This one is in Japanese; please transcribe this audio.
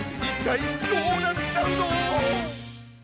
一体どうなっちゃうの？